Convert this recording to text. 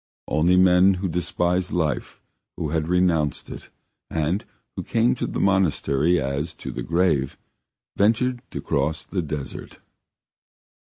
Only men who despised life, who had renounced it, and who came to the monastery as to the grave, ventured to cross the desert.